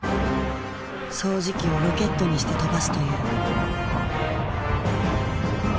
掃除機をロケットにして跳ばすという。